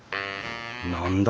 何だ？